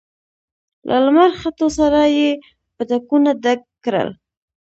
له لمر ختو سره يې پتکونه ډک کړل.